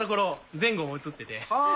前後も写ってて。